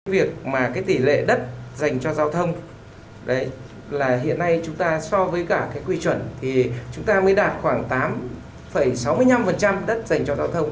với tình trạng này nhiều giải pháp đã được đưa ra với hy vọng từng bước hạn chế nạn tắc đường đang ngày càng trầm trọng